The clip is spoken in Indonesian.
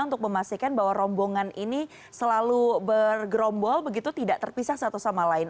untuk memastikan bahwa rombongan ini selalu bergerombol begitu tidak terpisah satu sama lain